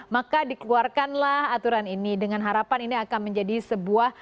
maka dikeluarkanlah aturan ini dengan harapan ini akan menjadi sebuah